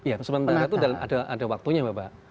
ya sementara itu ada waktunya bapak